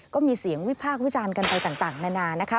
ก็มีเสียงวิพากษ์วิจารณ์กันไปต่างนานานะคะ